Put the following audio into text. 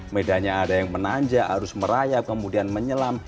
medannya ada yang menanja arus merayap kemudian menyelam